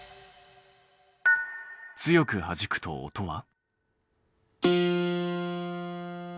強くはじくと音は？